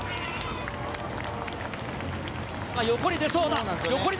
横に出そうだ！